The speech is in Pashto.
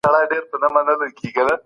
سیاستپوهنه د ټولنې ږغ دی.